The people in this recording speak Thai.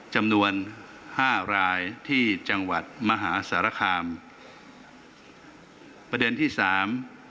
จำนวนห้ารายที่จังหวัดมหาสารคามประเด็นที่สาม